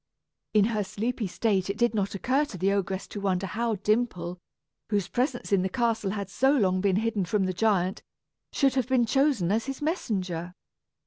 In her sleepy state, it did not occur to the ogress to wonder how Dimple, whose presence in the castle had so long been hidden from the giant, should have been chosen as his messenger.